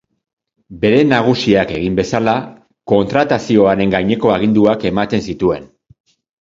Bere nagusiak egin bezala, kontratazioaren gaineko aginduak ematen zituen.